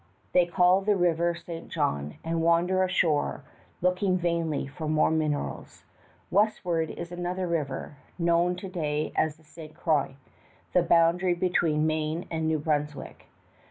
They call the river St. John, and wander ashore, looking vainly for more minerals. Westward is another river, known to day as the Ste. Croix, the boundary between Maine and New Brunswick.